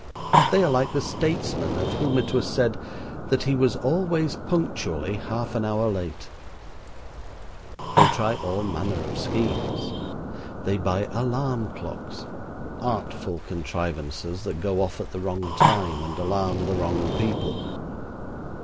They are like the statesman of whom it was said that he was always punctually half an hour late. They try all manner of schemes. They buy alarm clocks (artful contrivances that go off at the wrong time and alarm the wrong people).